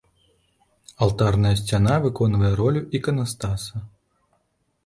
Алтарная сцяна выконвае ролю іканастаса.